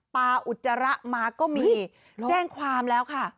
อุจจาระมาก็มีแจ้งความแล้วค่ะ